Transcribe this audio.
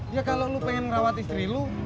ya kalau lo pengen ngerawat istri lo